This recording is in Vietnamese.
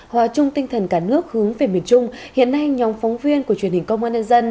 hòa chung tinh thần cả nước hướng về miền trung hiện nay nhóm phóng viên của truyền hình công an nhân dân